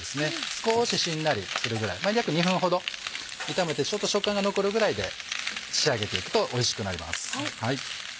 少ししんなりするぐらい約２分ほど炒めてちょっと食感が残るぐらいで仕上げていくとおいしくなります。